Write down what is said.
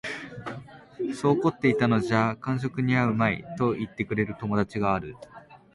そう凝っていたのじゃ間職に合うまい、と云ってくれる友人がある